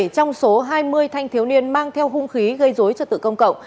bảy trong số hai mươi thanh thiếu niên mang theo hung khí gây dối trật tự công cộng